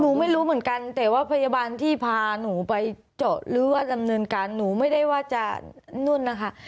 ไม่รู้เหมือนกันแต่ว่าพยาบาลที่พาหนูไปเจาะหรือว่าดำเนินการหนูไม่ได้ว่าจะนู่นนะคะ